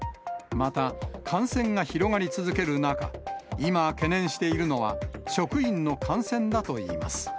また、感染が広がり続ける中、今、懸念しているのは、職員の感染だといいます。